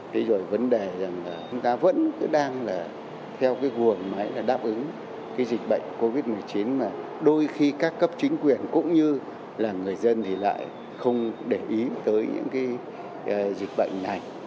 thế rồi vấn đề rằng là chúng ta vẫn cứ đang là theo cái nguồn máy là đáp ứng cái dịch bệnh covid một mươi chín mà đôi khi các cấp chính quyền cũng như là người dân thì lại không để ý tới những cái dịch bệnh này